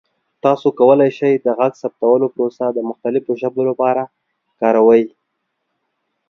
تاسو کولی شئ د غږ ثبتولو پروسه د مختلفو ژبو لپاره کاروئ.